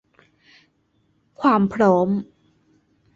ความพร้อม